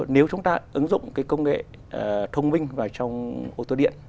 nếu chúng ta ứng dụng cái công nghệ thông minh vào trong ô tô điện